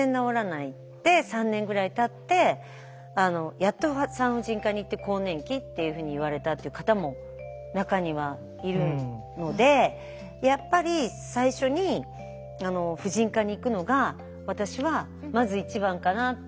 で３年ぐらいたってやっと産婦人科に行って更年期っていうふうに言われたっていう方も中にはいるのでやっぱり最初に婦人科に行くのが私はまず一番かなって。